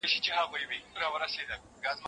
سياستپوهنه څرنګه د سياسي قدرت سره نښلي؟